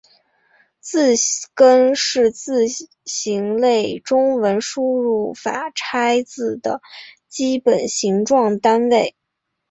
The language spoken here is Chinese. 字根是字形类中文输入法拆字的基本形状单位。